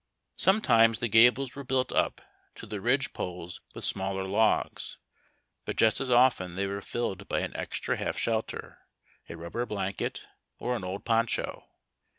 Sometimes tlie gables were built up to the ridge poles with smaller logs, bu t just as often they were filled by an extra half shelter, a rubber blanket, or an old poncho.